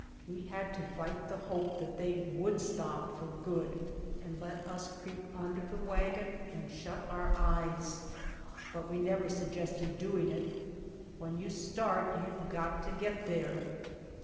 We had to fight the hope that they would stop for good and let us creep under the wagon and shut our eyes; but we never suggested doing it. "When you start you got to get there."